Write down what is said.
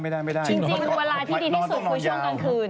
ไม่ได้จริงเวลาที่ดีที่สุดคือช่วงกลางคืน